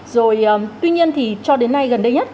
rồi tuy nhiên thì cho đến nay gần đây nhất